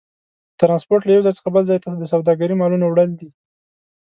ترانسپورت له یو ځای څخه بل ځای ته د سوداګرۍ مالونو وړل دي.